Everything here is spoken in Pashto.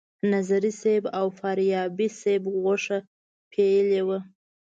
نظري صیب او فاریابي صیب غوښه پیلې وه.